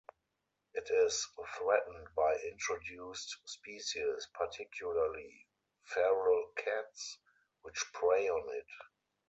It is threatened by introduced species, particularly feral cats, which prey on it.